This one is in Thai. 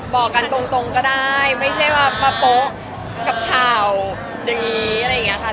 บอกกันตรงก็ได้ไม่ใช่ว่ามาโป๊ะกับข่าวอย่างนี้อะไรอย่างนี้ค่ะ